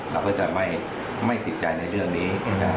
เราก็จะไม่ติดใจในเรื่องนี้